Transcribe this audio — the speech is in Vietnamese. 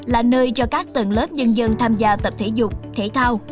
là nơi cho các tầng lớp nhân dân tham gia tập thể dục thể thao